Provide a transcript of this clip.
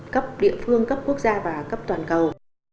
cấp địa phương cấp quốc gia và cấp toàn cầu